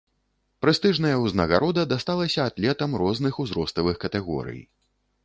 Прэстыжная ўзнагарода дасталася атлетам розных узроставых катэгорый.